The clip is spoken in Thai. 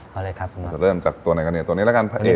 เอาเลยครับครับมันจะเริ่มจากตัวไหนกันตัวกันหละไงงั้น